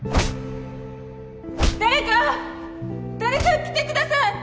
誰か誰か来てください。